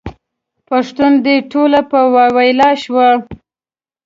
پښتون دې ټول په واویلا شو.